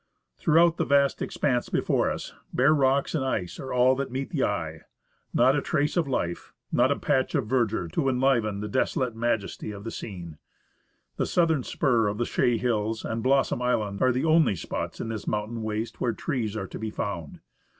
Throughout the vast expanse before us, bare rocks and ice are all that meet the eye ; not a trace of life, not a patch of verdure to enliven FI.OWERIXG LUPINS, BELOW THE PINNACLE CASCADE. the desolate majesty of the scene. The southern spur of the Chaix Hills and Blossom Island are the only spots in this mountain waste where trees are to be found.